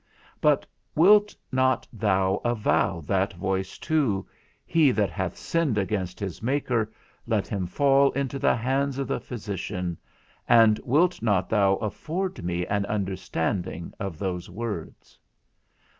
But wilt not thou avow that voice too, He that hath sinned against his Maker, let him fall into the hands of the physician; and wilt not thou afford me an understanding of those words?